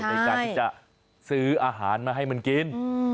ในการที่จะซื้ออาหารมาให้มันกิน